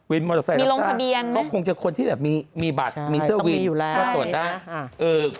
วินมอเตอร์ไซต์ร็อตเตอร์ก็คงจะคนที่แบบมีบัตรมีเสื้อวินก็ตรวจสอบได้ใช่ต้องมีอยู่แล้ว